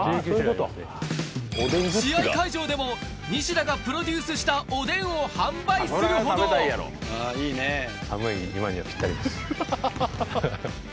試合会場でも西田がプロデュースしたおでんを販売するほどハハハ。